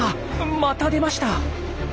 また出ました！